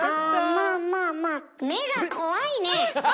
まあまあまあ目が怖いねえ！